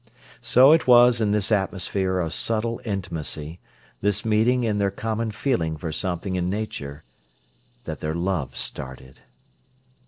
So it was in this atmosphere of subtle intimacy, this meeting in their common feeling for something in Nature, that their love started.